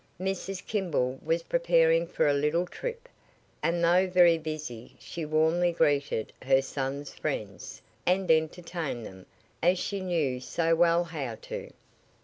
Mrs. Kimball was preparing for a little trip, and though very busy she warmly greeted her son's friends, and entertained them, as she knew so well how to.